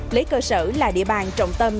lấy cơ sở là địa bàn trọng tâm